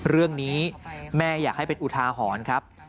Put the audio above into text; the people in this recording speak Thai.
เรื่องนี้แม่อยากให้เป็นอุทาหรณ์ครับ